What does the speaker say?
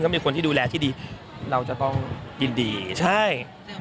มีคนที่ดูแลที่ดีเราจะต้องยินดีใช่